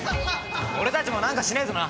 俺たちも何かしねえとな。